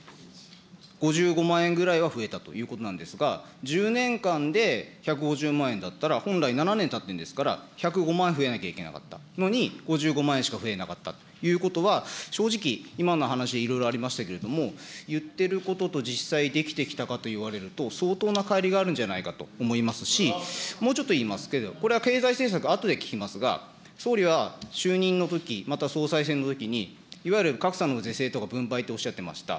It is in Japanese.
５５万円ぐらいは増えたということなんですが、１０年間で１５０万円だったら、本来７年たってるんですから、１０５万円増えなきゃいけなかったのに、５５万円しか増えなかったということは、正直、今の話でいろいろありましたけれども、言ってることと実際できたかといわれると、相当なかい離があるんじゃないかと思いますし、もうちょっと言いますけど、これは経済政策、あとで聞きますが、総理は就任のとき、また総裁選のときに、いわゆる格差の是正とか分配っておっしゃってました。